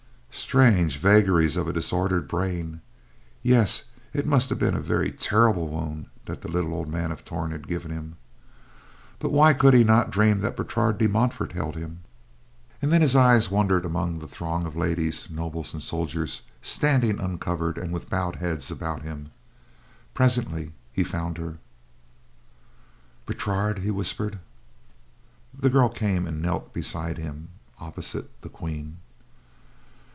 Strange vagaries of a disordered brain! Yes it must have been a very terrible wound that the little old man of Torn had given him; but why could he not dream that Bertrade de Montfort held him? And then his eyes wandered about among the throng of ladies, nobles and soldiers standing uncovered and with bowed heads about him. Presently he found her. "Bertrade!" he whispered. The girl came and knelt beside him, opposite the Queen.